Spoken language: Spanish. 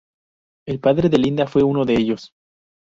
El padre de Linda, fue uno de ellos.